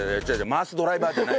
回すドライバーじゃない。